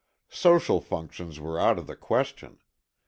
Social functions were out of the question.